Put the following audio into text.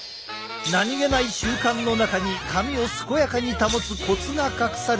何気ない習慣の中に髪を健やかに保つコツが隠されていた。